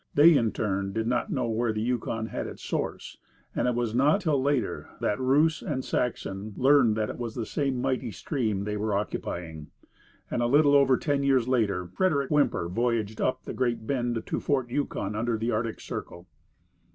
They, in turn, did not know where the Yukon had its source, and it was not till later that Russ and Saxon learned that it was the same mighty stream they were occupying. And a little over ten years later, Frederick Whymper voyaged up the Great Bend to Fort Yukon under the Arctic Circle.